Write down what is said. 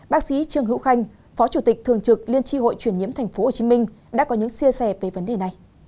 bác sĩ trương hữu khanh phó chủ tịch thường trực liên tri hội truyền nhiễm tp hcm đã có những chia sẻ về vấn đề này